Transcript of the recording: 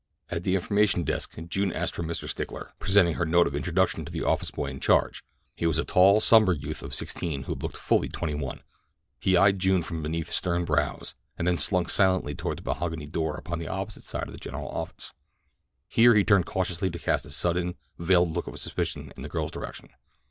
At the information desk June asked for Mr. Stickler, presenting her note of introduction to the office boy in charge. He was a tall, somber youth of sixteen who looked fully twenty one. He eyed June from beneath stern brows, and then slunk silently toward a mahogany door upon the opposite side of the general office. Here he turned cautiously to cast a sudden, veiled look of suspicion in the girl's direction.